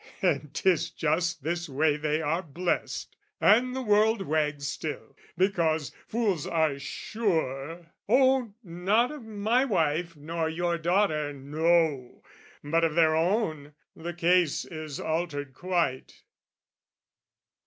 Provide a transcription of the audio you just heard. And 'tis just this way they are blessed, And the world wags still, because fools are sure Oh, not of my wife nor your daughter! No! But of their own: the case is altered quite.